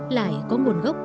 lại có nguồn gốc